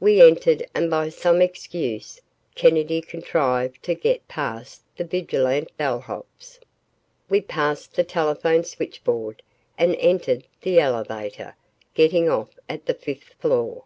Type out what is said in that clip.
We entered and by some excuse Kennedy contrived to get past the vigilant bellhops. We passed the telephone switchboard and entered the elevator, getting off at the fifth floor.